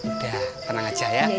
udah tenang aja ya